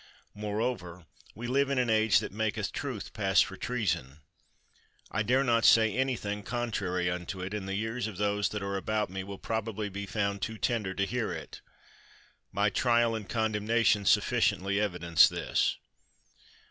Moreover, we live in an age that maketh truth pass for treason; I dare not say anything con trary unto it, and the ears of those that are about me will probably be found too tender to hear it. My trial and condemnation sufficiently evidence this.